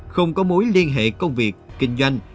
không có mối liên hệ công việc kinh doanh